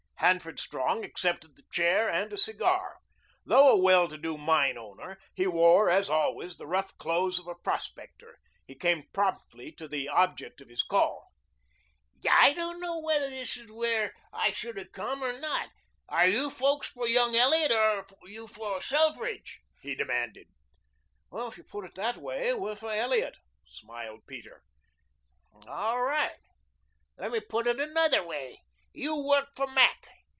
Hanford Strong accepted the chair and a cigar. Though a well to do mine owner, he wore as always the rough clothes of a prospector. He came promptly to the object of his call. "I don't know whether this is where I should have come or not. Are you folks for young Elliot or are you for Selfridge?" he demanded. "If you put it that way, we're for Elliot," smiled Peter. "All right. Let me put it another way. You work for Mac.